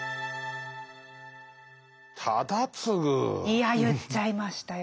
いや言っちゃいましたよ。